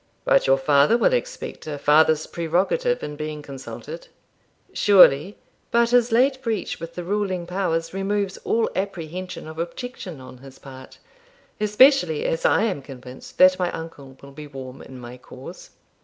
'But your father will expect a father's prerogative in being consulted.' 'Surely; but his late breach with the ruling powers removes all apprehension of objection on his part, especially as I am convinced that my uncle will be warm in my cause.'